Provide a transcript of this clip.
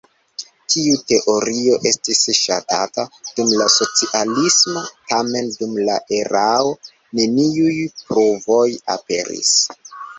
Tiu teorio estis ŝatata dum la socialismo, tamen dum la erao neniuj pruvoj aperis.